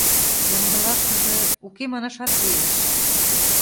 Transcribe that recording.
Ямдылашыже... уке манашат лиеш...